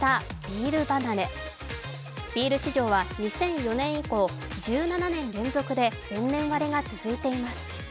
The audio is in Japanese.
ビール市場は２００４年以降、１７年連続で前年割れが続いています。